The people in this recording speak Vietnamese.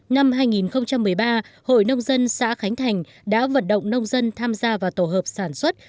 năm hai nghìn một mươi ba hội nông dân xã khánh thành đã vận động nông dân tham gia vào tổ hợp sản xuất